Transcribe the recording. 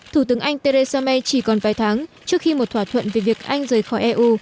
thủ tướng anh theresa may chỉ còn vài tháng trước khi một thỏa thuận về việc anh rời khỏi eu